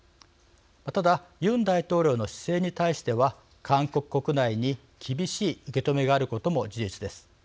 ただ、ユン大統領の姿勢に対しては韓国国内に厳しい受け止めがあることも事実です。